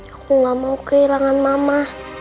aku gak mau kehilangan mama